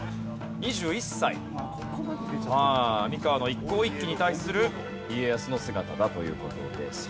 三河の一向一揆に対する家康の姿だという事です。